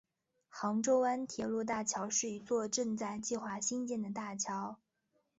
杭州湾铁路大桥是一座正在计划兴建的大桥。